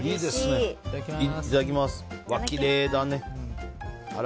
うわ、きれいだね。